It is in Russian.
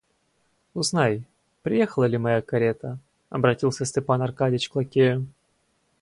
Узнай, приехала ли моя карета, — обратился Степан Аркадьич к лакею.